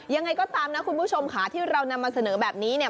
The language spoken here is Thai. ยังไงก็ตามนะคุณผู้ชมค่ะที่เรานำมาเสนอแบบนี้เนี่ย